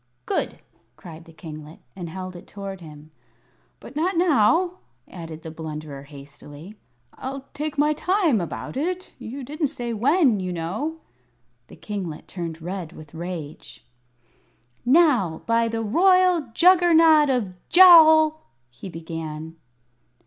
"Good," cried the kinglet, and held it toward him. "But not now," added the Blunderer, hastily; "I'll take my time about it. You didn't say when, you know." The kinglet turned red with rage. "Now, by the royal Juggernaut of Jowl " he began.